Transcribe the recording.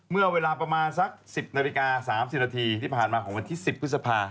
เมื่อเวลาประมาณสัก๑๐นาฬิกา๓๐นาทีที่ผ่านมาของวันที่๑๐พฤษภา